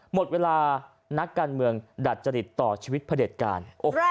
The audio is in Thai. หมดเวลานักการเมืองดัดจริตต่อชีวิตพระเด็จการ